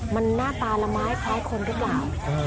มันหน้าตาละไม้คล้ายคนหรือเปล่า